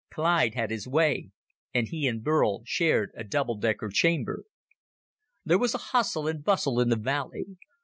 Clyde had his way, and he and Burl shared a double decker chamber. There was a hustle and bustle in the valley.